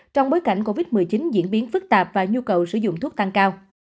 trong bối cảnh covid một mươi chín diễn biến phức tạp và nhu cầu sử dụng thuốc tăng cao